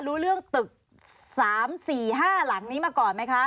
รู้เรื่องตึก๓๔๕หลังนี้มาก่อนไหมคะ